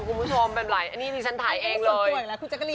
คุณผู้ชมแบบไหนอันนี้ดิฉันถ่ายเองเลยอันนี้เป็นส่วนตัวอีกแล้วคุณเจ๊กรียม